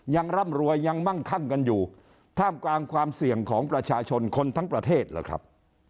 ร่ำรวยยังมั่งคั่งกันอยู่ท่ามกลางความเสี่ยงของประชาชนคนทั้งประเทศเหรอครับ